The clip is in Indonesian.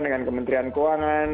dengan kementerian keuangan